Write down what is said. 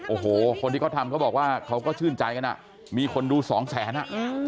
โอ้โหคนที่เขาทำเขาบอกว่าเขาก็ชื่นใจกันอ่ะมีคนดูสองแสนอ่ะ